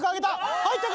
入ったか？